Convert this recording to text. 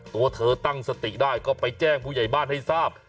ตัวเธอตั้งสติได้ก็ไปแจ้งผู้ใหญ่บ้านให้ทราบ